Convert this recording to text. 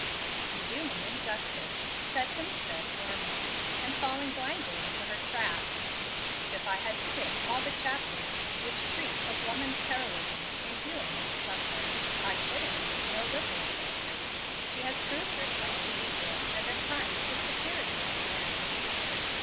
"You do me injustice," said Hemstead, warmly, and falling blindly into her trap. "If I had skipped all the chapters which treat of woman's heroism, in doing and suffering, I should, indeed, know little of history. She has proved herself the equal, and at times the superior of man."